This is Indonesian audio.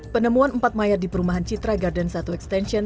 penemuan empat mayat di perumahan citra garden satu extension